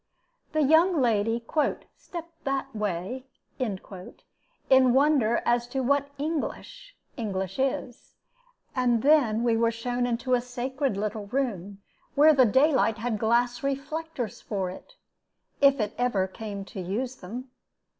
The young lady "stepped that way" in wonder as to what English English is, and then we were shown into a sacred little room, where the daylight had glass reflectors for it, if it ever came to use them.